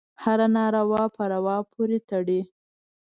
هره ناروا په روا پورې تړي.